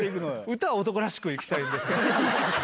歌は男らしくいきたいんですけど。